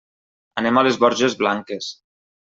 Anem a les Borges Blanques.